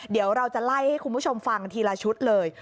เดี๋ยวเราจะไล่ให้คุณผู้ชมฟังทีละชุดเลย